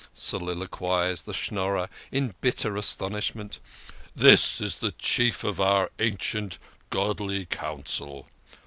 soliloquised the Schnorrer in bitter astonishment. " This is the chief of our ancient, godly Council